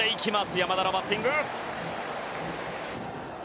山田のバッティング。